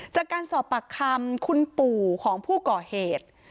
จากการสอบปากคำคุณปู่ของผู้ก่อเหตุ